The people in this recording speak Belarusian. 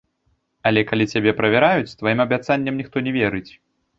Але калі цябе правяраюць, тваім абяцанням ніхто не верыць.